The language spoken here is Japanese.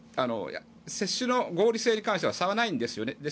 接種の合理性に関しては差はないんですよね。